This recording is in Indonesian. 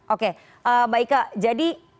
oke mbak ike jadi